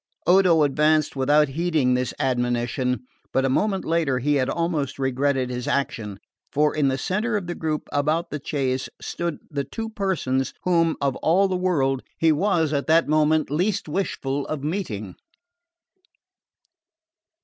Odo advanced without heeding this admonition; but a moment later he had almost regretted his action; for in the centre of the group about the chaise stood the two persons whom, of all the world, he was at that moment least wishful of meeting.